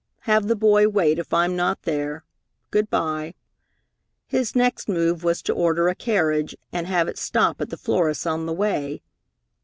Have the boy wait if I'm not there. Good by." His next move was to order a carriage, and have it stop at the florist's on the way.